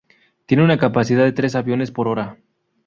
Tiene una capacidad de tres aviones por hora.